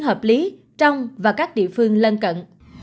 hợp lý trong và các địa phương lân cận